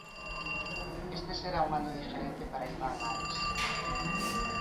Este será un ano diferente para Iván Ares.